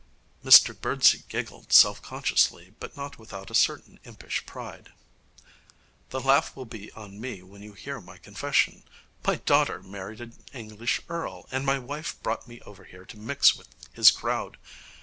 Mr Birdsey giggled self consciously, but not without a certain impish pride. 'The laugh will be on me when you hear my confession. My daughter married an English earl, and my wife brought me over here to mix with his crowd.